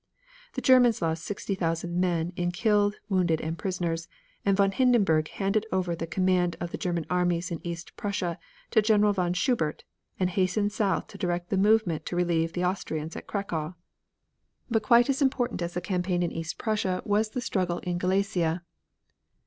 The Germans lost 60,000 men in killed, wounded and prisoners, and von Hindenburg handed over the command of the German armies in East Prussia to General von Schubert, and hastened south to direct the movement to relieve the Austrians at Cracow. But quite as important as the campaign in East Prussia was the struggle in Galicia.